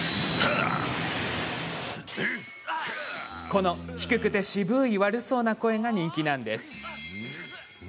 この低くて渋い悪そうな声が人気なんです。